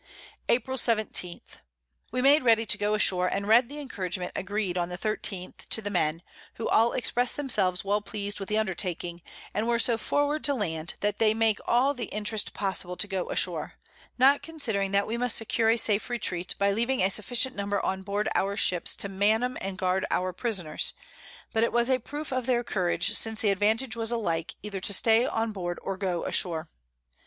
April 17. We made ready to go ashore, and read the Encouragement agreed on the 13_th_ to the Men, who all express themselves well pleas'd with the Undertaking, and were so forward to land, that they make all the Interest possible to go ashore; not considering that we must secure a safe Retreat, by leaving a sufficient number on board our Ships to man 'em and guard our Prisoners: but it was a proof of their Courage, since the Advantage was alike, either to stay on board or go ashore.